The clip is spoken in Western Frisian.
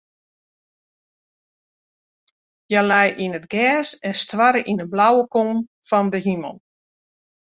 Hja lei yn it gers en stoarre yn de blauwe kom fan de himel.